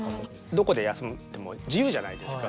どこで休んでも自由じゃないですか。